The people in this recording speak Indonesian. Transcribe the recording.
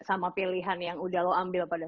sama pilihan yang udah lo ambil pada